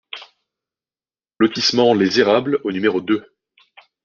Lotissement Les Érables au numéro deux